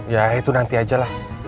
ya itu nanti aja lah